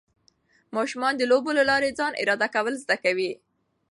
ماشومان د لوبو له لارې ځان اداره کول زده کوي.